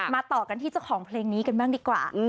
ต่อกันที่เจ้าของเพลงนี้กันบ้างดีกว่า